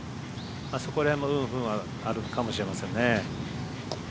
そこら辺も運、不運はあるかもしれませんね。